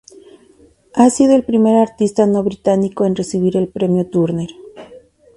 Ha sido el primer artista no británico en recibir el premio Turner.